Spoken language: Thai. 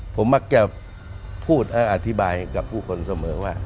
ผมมักจะพูดและอธิบายกับผู้คนเสมอว่า